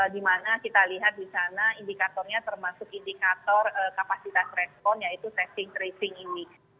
di mana kita lihat di sana indikatornya termasuk indikator kapasitas respon yaitu testing tracing ini